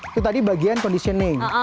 itu tadi bagian conditioning